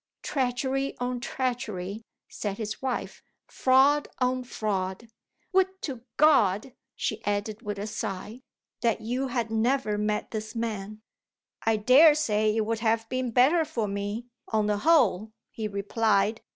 "Treachery on treachery!" said his wife. "Fraud on fraud! Would to GOD," she added with a sigh, "that you had never met this man!" "I dare say it would have been better for me, on the whole," he replied.